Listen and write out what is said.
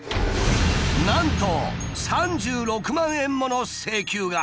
なんと３６万円もの請求が。